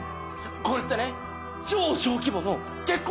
これってね超小規模の結婚